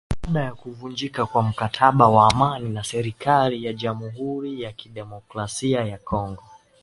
baada ya kuvunjika kwa mkataba wa amani na serikali Jamuhuri ya Demokrasia ya Kongo